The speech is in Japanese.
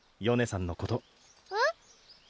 さんのことえっ？